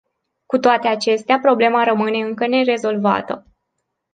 Cu toate acestea, problema rămâne încă nerezolvată.